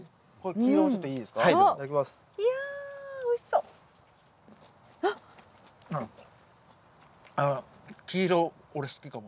黄色俺好きかも。